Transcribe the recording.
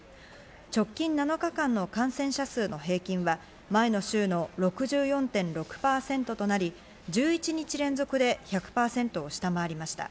直近７日間の感染者数の平均は前の週の６４．６％となり、１１日連続で１００％を下回りました。